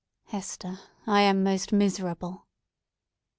Hester, I am most miserable!"